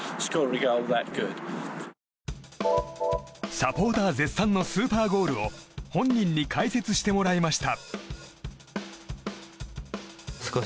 サポーター絶賛のスーパーゴールを本人に解説してもらいました。